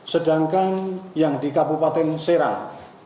sedangkan yang di kabupaten serang